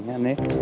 còn bố mẹ